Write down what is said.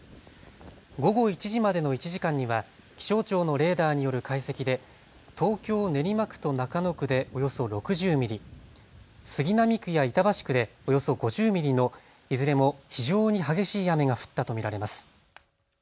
午後１時までの１時間には気象庁のレーダーによる解析で東京練馬区と中野区でおよそ６０ミリ、杉並区や板橋区でおよそ５０ミリのいずれも非常に激しい雨が降ったと見られます。